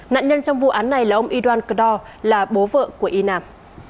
nạn nhân trong vụ án này là ông y doan cờ đo là bố vợ của y nam